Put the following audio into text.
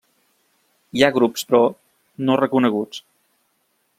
Hi ha grups, però, no reconeguts.